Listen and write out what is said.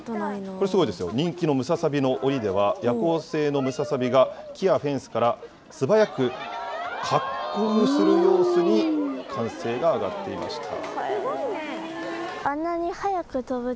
これすごいですよ、人気のムササビのおりでは、夜行性のムササビが木やフェンスから素早く滑空をする様子に歓声が上がっていました。